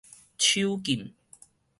手禁